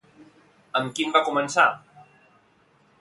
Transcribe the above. Amb quin va començar?